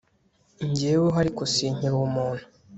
jyeweho ariko sinkiri umuntu